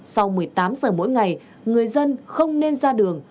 sau một mươi tám giờ mỗi ngày người dân không nên ra đường